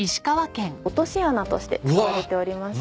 落とし穴として使われておりました。